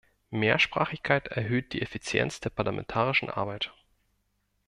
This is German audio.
Mehrsprachigkeit erhöht die Effizienz der parlamentarischen Arbeit.